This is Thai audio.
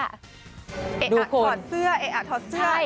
เออ่ะถอดเสื้อเออ่ะถอดเสื้อ